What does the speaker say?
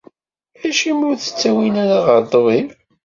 Acimi ur t-ttawin ara ɣer ṭṭbib?